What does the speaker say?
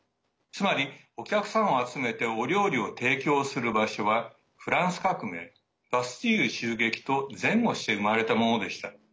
つまりお客様を集めてお料理を提供する場所はフランス革命バスティーユ襲撃と前後して生まれたものでした。